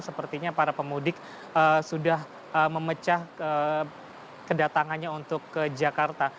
sepertinya para pemudik sudah memecah kedatangannya untuk ke jakarta